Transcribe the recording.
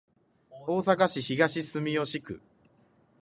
大阪市東住吉区